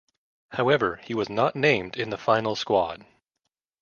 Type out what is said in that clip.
However, he was not named in the final squad.